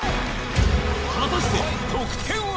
果たして得点は？